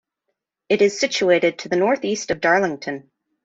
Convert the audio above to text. It is situated to the north-east of Darlington.